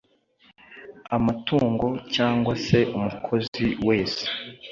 amatungo cyangwa se umukozi wese